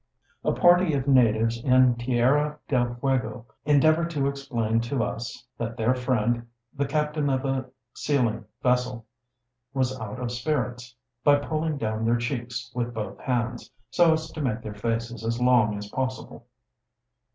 A party of natives in Tierra del Fuego endeavoured to explain to us that their friend, the captain of a sealing vessel, was out of spirits, by pulling down their cheeks with both hands, so as to make their faces as long as possible.